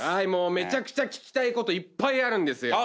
めちゃくちゃ聞きたいこといっぱいあるんですよ。